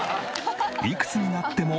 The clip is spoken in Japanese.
いくつになっても。